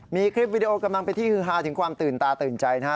มีคลิปวิดีโอกำลังเป็นที่ฮือฮาถึงความตื่นตาตื่นใจนะฮะ